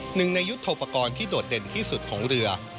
หนึ่งในยุทธโปรกรณ์ที่โดดเด่นที่สุดของเรือ